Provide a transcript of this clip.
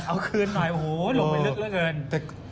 เอาคืนน้อยโหลงไปลึกแล้วเกิน